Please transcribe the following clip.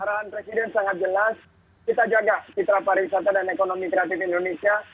arahan presiden sangat jelas kita jaga citra pariwisata dan ekonomi kreatif indonesia